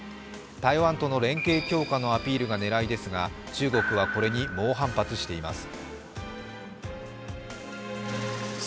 台湾との連携強化のアピールが狙いですが、中国はこれに猛反発しています。